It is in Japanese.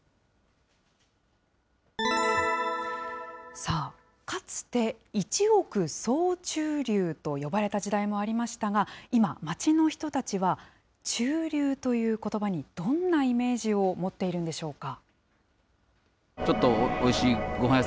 さあ、かつて１億総中流と呼ばれた時代もありましたが、今、街の人たちは中流ということばにどんなイメージを持っているんでしょうか。